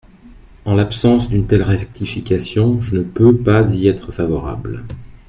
» En l’absence d’une telle rectification, je ne peux pas y être favorable.